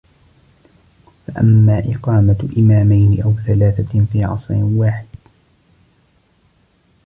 فَأَمَّا إقَامَةُ إمَامَيْنِ أَوْ ثَلَاثَةٍ فِي عَصْرٍ وَاحِدٍ